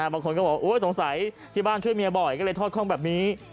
บางคนก็บอกสงสัยที่บ้านช่วยเมียบ่อยก็เลยทอดคล่องแบบนี้